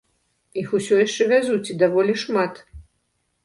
Іх усё яшчэ вязуць, і даволі шмат.